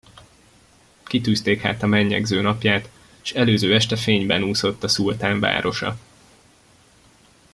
Kitűzték hát a menyegző napját, s előző este fényben úszott a szultán városa.